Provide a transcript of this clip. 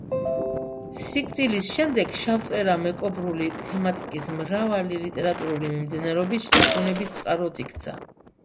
სიკვდილის შემდეგ, შავწვერა მეკობრული თემატიკის მრავალი ლიტერატურული მიმდინარეობის შთაგონების წყაროდ იქცა.